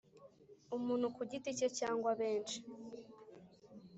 Umuntu ku giti cye cyangwa benshi